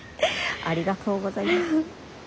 ありがとうございます。